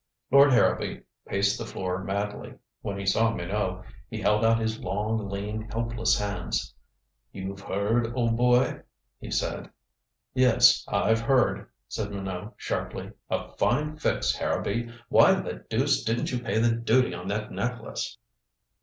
Lord Harrowby paced the floor madly. When he saw Minot he held out his long, lean, helpless hands. "You've heard, old boy?" he said. "Yes, I've heard," said Minot sharply. "A fine fix, Harrowby. Why the deuce didn't you pay the duty on that necklace?"